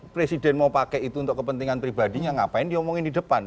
presiden mau pakai itu untuk kepentingan pribadinya ngapain diomongin di depan